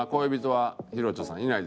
はい。